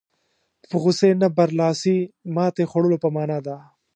په غوسې نه برلاسي ماتې خوړلو په معنا ده.